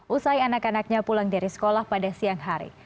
usai anak anaknya pulang dari sekolah pada siang hari